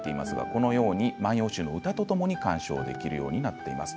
このように「万葉集」の歌とともに鑑賞できるようになっています。